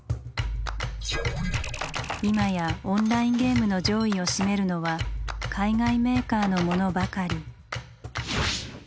今やオンラインゲームの上位を占めるのは海外メーカーのものばかり。